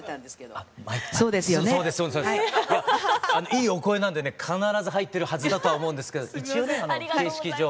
いいお声なんでね必ず入ってるはずだとは思うんですけど一応ね形式上。